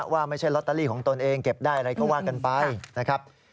ว่าไม่ใช่ลอตเตอรี่ของตนเองเก็บได้อะไรก็ว่ากันไปนะครับ